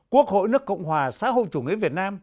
quốc hội nước cộng hòa xã hội chủ nghĩa việt nam